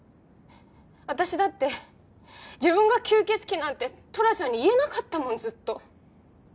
私だって自分が吸血鬼なんてトラちゃんに言えなかったもんずっと。